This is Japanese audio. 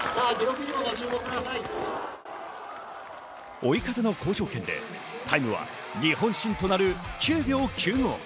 追い風の好条件でタイムは日本新となる９秒９５。